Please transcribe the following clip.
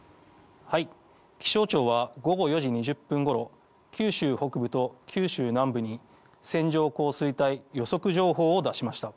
気象庁は午後４時２０分ごろ九州北部と九州南部に線状降水帯予測情報を出しました。